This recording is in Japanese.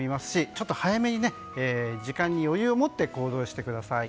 ちょっと早めに時間に余裕を持って行動してください。